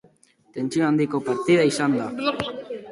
Tentsio handiko partida izan da.